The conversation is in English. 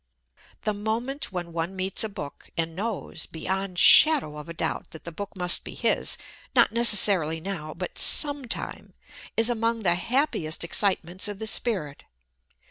The moment when one meets a book and knows, beyond shadow of doubt, that that book must be his not necessarily now, but some time is among the happiest excitements of the spirit.